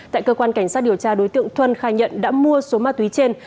tại cơ quan cảnh sát điều tra đối tượng thuân khai nhận đã mua số ma túy trên